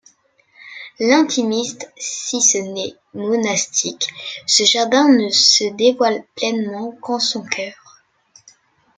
Intimiste, si ce n'est monastique, ce jardin ne se dévoile pleinement qu'en son cœur.